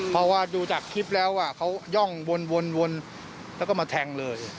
เพราะว่าดูจากคลิปแล้วเขาย่องวนแล้วก็มาแทงเลย